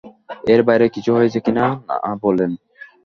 এর বাইরে কিছু হয়েছে কি না বলেন।